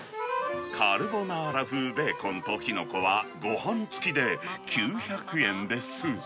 カルボナーラ風ベーコンとキノコはごはん付きで９００円です。